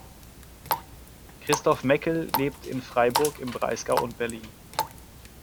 Christoph Meckel lebt in Freiburg im Breisgau und Berlin.